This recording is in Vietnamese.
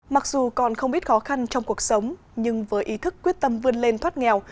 mặc dù còn không biết khó khăn trong cuộc sống nhưng với ý thức quyết tâm vươn lên thoát nghèo